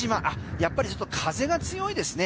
やっぱりちょっと風が強いですね。